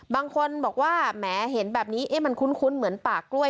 บางคนบอกว่าแหมเห็นแบบนี้มันคุ้นเหมือนป่ากล้วย